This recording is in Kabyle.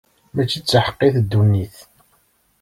Mačči d taḥeqqit ddunit.